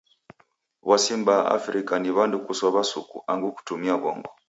W'asi mbaa Afrika ni w'andu kusow'a suku angu kutumia w'ongo.